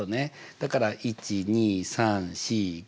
だから１２３４５。